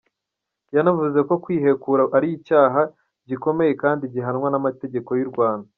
Yanavuze ko kwihekura ari icyaha gikomeye kandi gihanywa n’amategeko y’u Rwanda.